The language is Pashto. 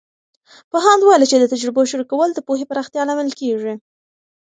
پوهاند وویل چې د تجربو شریکول د پوهې پراختیا لامل کیږي.